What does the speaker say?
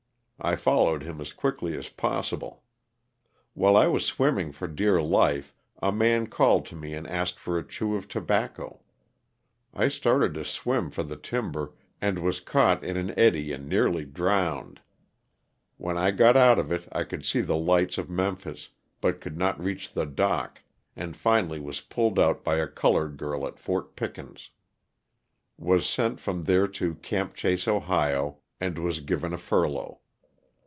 I followed him as quickly as possible. While I was swimming for dear life, a man called to me and asked for a chew of tobacco. I started to awim for the tim ber and was caught in an eddy and nearly drowned. When I got out of it I could see the lights of Mem phis, but could not reach the dock, and finally was pulled out by a colored guard at Fort Pickens. Was sent from there to "Camp Chase," Ohio, and was given a furlough.